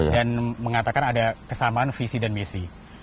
dan mengatakan ada kesamaan visi dan misi